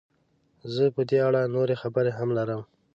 زه په دې اړه نورې خبرې هم لرم.